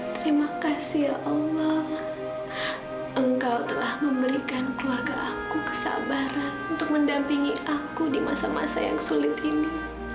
terima kasih ya allah engkau telah memberikan keluarga aku kesabaran untuk mendampingi aku di masa masa yang sulit ini